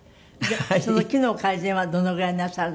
その機能改善はどのぐらいなさるの？